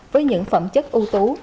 với những phẩm chất ưu tú